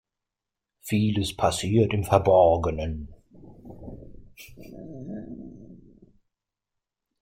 Vieles passiert im Verborgenen.